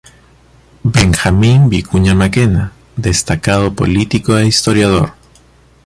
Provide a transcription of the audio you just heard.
Benjamín Vicuña Mackenna: Destacado político e historiador.